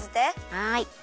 はい。